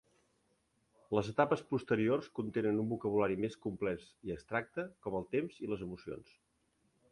Les etapes posteriors contenen un vocabulari més complex i abstracte com el temps i les emocions.